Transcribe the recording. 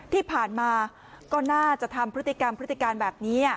ที่ผ่านมาก็น่าจะทำพฤติกรรมพฤติการแบบนี้